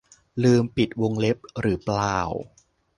ลืมปิดวงเล็บหรือเปล่า